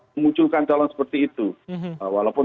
memunculkan calon seperti itu walaupun